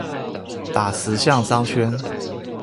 打石巷商圈